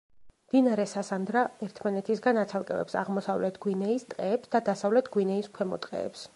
მდინარე სასანდრა ერთმანეთისგან აცალკევებს აღმოსავლეთ გვინეის ტყეებს და დასავლეთ გვინეის ქვემო ტყეებს.